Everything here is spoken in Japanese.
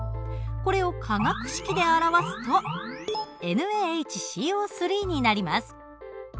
これを化学式で表すとＮａＨＣＯになります。